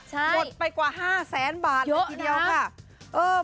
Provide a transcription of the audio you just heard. หมดไปกว่า๕๐๐๐๐๐บาทเทียงเดียวค่ะ